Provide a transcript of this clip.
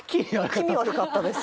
気味悪かったです